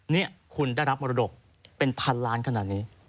นี่คุณได้รับมรดกเป็นพันล้านขนาดนี้